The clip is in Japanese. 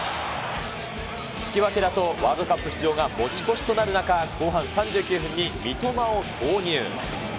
引き分けだとワールドカップ出場が持ち越しとなる中、後半３９分に三笘を投入。